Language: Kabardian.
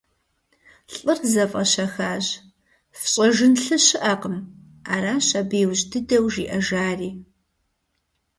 Лӏыр зэфӏэщэхащ, «Фщӏэжын лъы щыӏэкъым», — аращ абы иужь дыдэу жиӏэжари.